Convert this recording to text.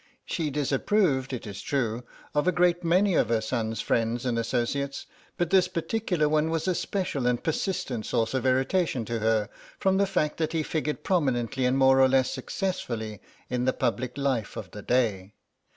She disapproved, it is true, of a great many of her son's friends and associates, but this particular one was a special and persistent source of irritation to her from the fact that he figured prominently and more or less successfully in the public life of the day.